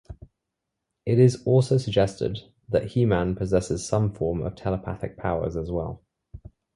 It is also suggested that He-Man possesses some form of telepathic powers as well.